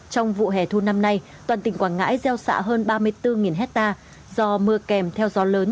trong vụ hẻ thu năm nay toàn tỉnh quảng ngãi gieo xạ hơn ba mươi bốn hectare do mưa kèm theo gió lớn